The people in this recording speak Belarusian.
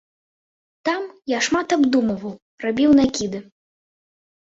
Там я шмат абдумваў, рабіў накіды.